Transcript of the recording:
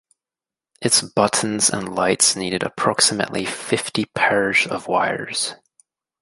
Its buttons and lights needed approximately fifty pairs of wires.